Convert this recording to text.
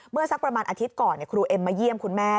สักประมาณอาทิตย์ก่อนครูเอ็มมาเยี่ยมคุณแม่